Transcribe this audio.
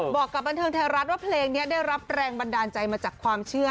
บอกกับบันเทิงไทยรัฐว่าเพลงนี้ได้รับแรงบันดาลใจมาจากความเชื่อ